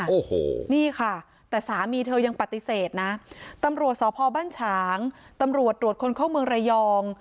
โอ้โหนี่ค่ะแต่สามีเธอยังปฏิเสธนะตำรวจสพบ้านฉางตำรวจตรวจคนเข้าเมืองระยอง